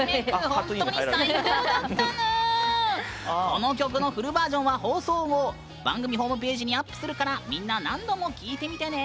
この曲のフルバージョンは放送後番組ホームページにアップするからみんな何度も聴いてみてね！